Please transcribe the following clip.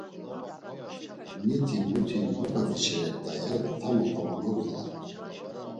Mitik muti mot afiçirert̆ay, yado tamo tamo nogzalamt̆u.